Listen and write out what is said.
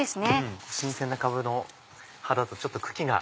新鮮なかぶの葉だとちょっと茎が。